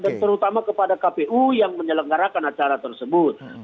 dan terutama kepada kpu yang menyelenggarakan acara tersebut